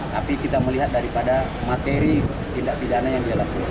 tapi kita melihat daripada materi tindak pidana yang dia lakukan